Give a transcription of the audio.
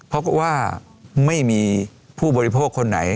เพราะว่าไม่มีผู้บริโภคคนไหน